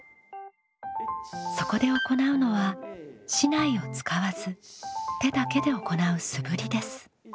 そこで行うのは竹刀を使わず手だけで行う素振りです。